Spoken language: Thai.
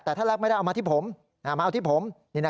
แต่ถ้ารับไม่ได้เอามาที่ผมมาเอาที่ผม